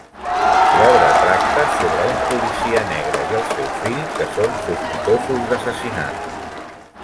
L'obra tracta sobre policia negre i el seu fill, que són sospitosos d'assassinat.